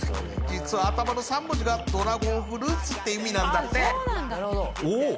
実は頭の３文字がドラゴンフルーツって意味なんだっておおっ